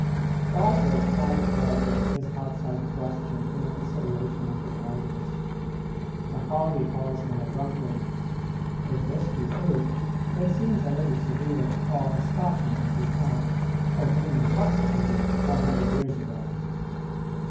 Boswell's private character is outside the question in a consideration of his writings. Macaulay calls him a drunkard. If this be true, it seems a little severe to call a Scotchman to account for being intoxicated one hundred years ago.